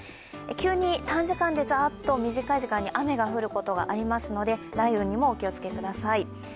急に短時間でザッと雨が降ることがありますので、雷雨にもお気をつけください。